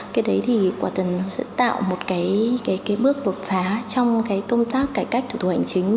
cái đấy thì sẽ tạo một bước bột phá trong công tác cải cách thủ tục hành chính